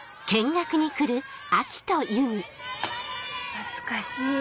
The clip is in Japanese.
懐かしい。